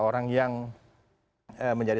orang yang menjadi